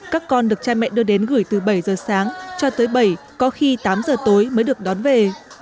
các con được trai mẹ đưa đến gửi từ bảy giờ sáng cho tới bảy có khi tám giờ tối mới được đón về